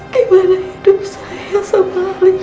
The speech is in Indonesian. gimana hidup saya sebalik ke kembang saya begini